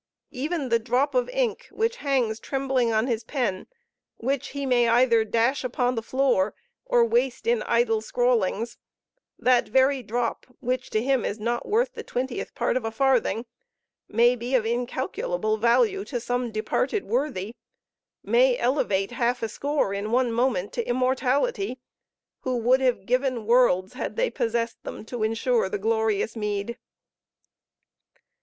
Even the drop of ink which hangs trembling on his pen, which he may either dash upon the floor, or waste in idle scrawlings that very drop, which to him is not worth the twentieth part of a farthing, may be of incalculable value to some departed worthy may elevate half a score, in one moment, to immortality, who would have given worlds, had they possessed them, to ensure the glorious meed.